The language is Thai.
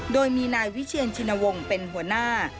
โดยมีนายวิเชียนชินวงศ์เป็นหัวหน้า